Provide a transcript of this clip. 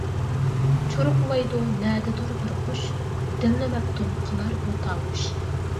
چۇرۇقلايدۇ نەدىدۇر بىر قۇش، دىلنى مەپتۇن قىلار بۇ تاۋۇش.